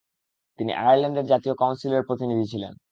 তিনি আয়ারল্যান্ডের জাতীয় কাউন্সিলের প্রতিনিধি ছিলেন।